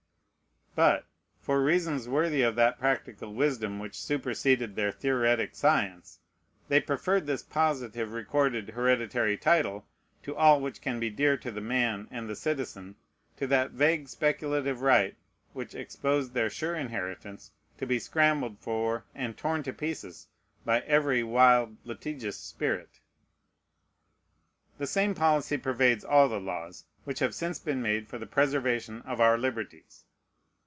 But, for reasons worthy of that practical wisdom which superseded their theoretic science, they preferred this positive, recorded, hereditary title to all which can be dear to the man and the citizen to that vague, speculative right which exposed their sure inheritance to be scrambled for and torn to pieces by every wild, litigious spirit. The same policy pervades all the laws which have since been made for the preservation of our liberties.